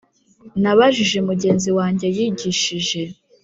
Nabajije mugenzi wanjye yigishije